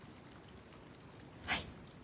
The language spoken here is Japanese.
はい。